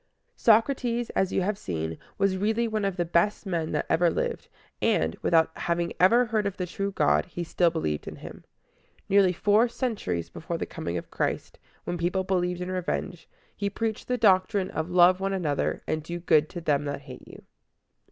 Socrates, as you have seen, was really one of the best men that ever lived, and, without having ever heard of the true God, he still believed in him. Nearly four centuries before the coming of Christ, when people believed in revenge, he preached the doctrine of "Love one another" and "Do good to them that hate you."